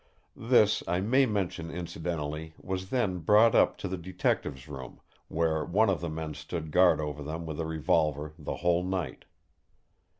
This, I may mention incidentally, was then brought up to the detectives' room, where one of the men stood guard over them with a revolver the whole night.